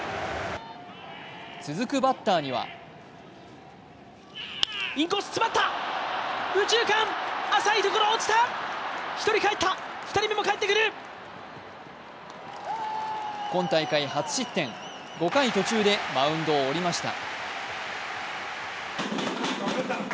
続くバッターには今大会初失点５回途中でマウンドを降りました。